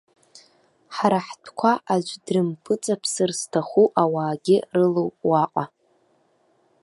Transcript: Ҳара ҳтәқәа аӡә дрымпыҵаԥсыр зҭаху ауаагьы рылоуп уаҟа.